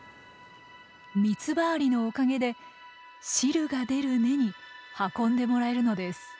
ミツバアリのおかげで汁が出る根に運んでもらえるのです。